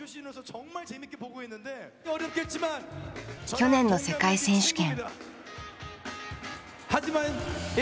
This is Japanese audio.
去年の世界選手権。